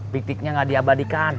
piktiknya nggak diabadikan